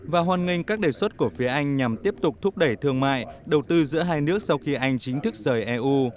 và hoan nghênh các đề xuất của phía anh nhằm tiếp tục thúc đẩy thương mại đầu tư giữa hai nước sau khi anh chính thức rời eu